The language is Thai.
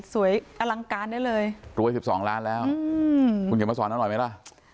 สวยอลังการได้เลยรวย๑๒ล้านแล้วหยุดมาสอนอร่อยไหมล่ะ